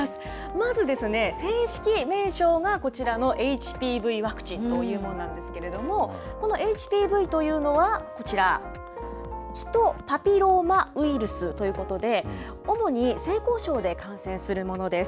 まず正式名称がこちらのＨＰＶワクチンというものなんですけども、このＨＰＶというのは、こちら、ヒトパピローマウイルスということで、主に性交渉で感染するものです。